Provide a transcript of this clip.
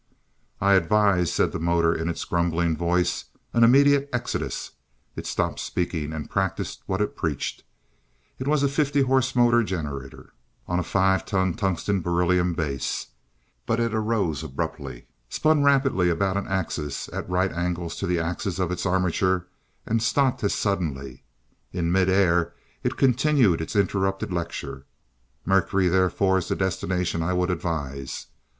"I advise," said the motor in its grumbling voice, "an immediate exodus." It stopped speaking, and practiced what it preached. It was a fifty horse motor generator, on a five ton tungsten beryllium base, but it rose abruptly, spun rapidly about an axis at right angles to the axis of its armature, and stopped as suddenly. In mid air it continued its interrupted lecture. "Mercury therefore is the destination I would advise.